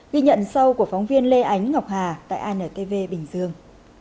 ghi nhận sau của phóng viên lê ánh ngọc hà tại antv bình dương